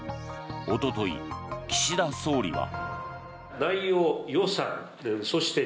おととい、岸田総理は。